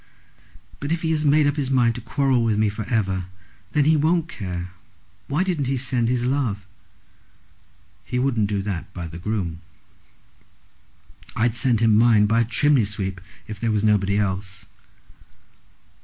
"But if he has made up his mind to quarrel with me for ever, then he won't care. Why didn't he send his love?" "He wouldn't do that by the groom." "I'd send him mine by a chimney sweep if there were nobody else."